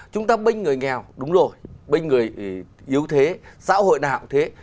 chúng ta bênh người nghèo đúng rồi bênh người yếu thế xã hội nào thế